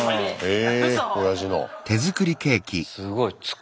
え！